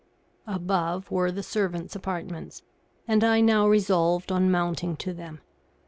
Above were the servants' apartments, and I now resolved on mounting to them.